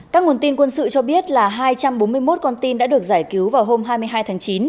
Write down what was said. các nguồn tin quân sự cho biết là hai trăm bốn mươi một con tin đã được giải cứu vào hôm hai mươi hai tháng chín